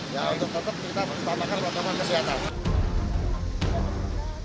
ya untuk untuk kita memperbamakan keuntungan kesehatan